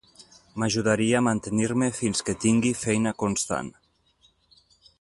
M'ajudaria a mantenir-me fins que tingui feina constant.